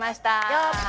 よっ！